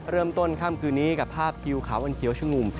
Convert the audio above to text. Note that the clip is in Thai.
เริ่มต้นค่ำคืนนี้กับภาพคิวขาวอันเขียวชะงุ่ม